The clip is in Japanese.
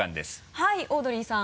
はいオードリーさん。